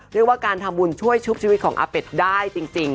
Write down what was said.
เรียกว่าการทำบุญช่วยชุบชีวิตของอาเป็ดได้จริง